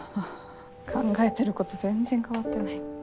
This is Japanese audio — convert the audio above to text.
考えてること全然変わってない。